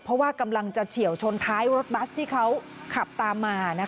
เพราะว่ากำลังจะเฉียวชนท้ายรถบัสที่เขาขับตามมา